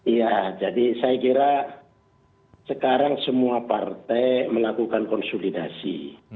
iya jadi saya kira sekarang semua partai melakukan konsolidasi